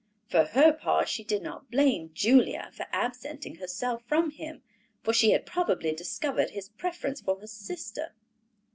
For her part, she did not blame Julia for absenting herself from him, for she had probably discovered his preference for her sister."